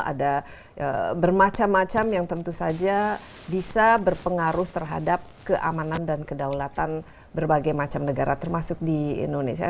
ada bermacam macam yang tentu saja bisa berpengaruh terhadap keamanan dan kedaulatan berbagai macam negara termasuk di indonesia